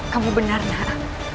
kamu benar nger